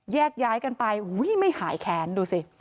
แยกย้ายกันไปไม่หายแค้นดูสิ